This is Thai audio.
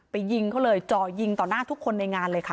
ยิงเขาเลยจ่อยิงต่อหน้าทุกคนในงานเลยค่ะ